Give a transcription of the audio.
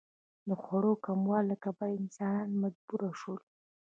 د خوړو کموالي له کبله انسانان مجبور شول.